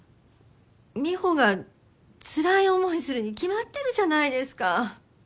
美帆がつらい思いするに決まってるじゃないですか。